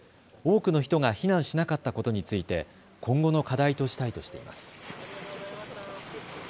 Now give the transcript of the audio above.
多くの人が避難しなかったことについて今後の課題としたいとしています。